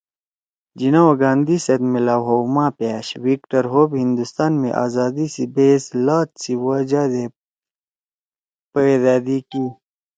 جناح او گاندھی سیت میلاؤ ہؤ ما پیأش وِکٹر ہوپ ہندوستان می آزادی سی بَحث لات سی وجہ دے پدیدی کی